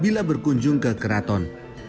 bila berkunjung ke keraton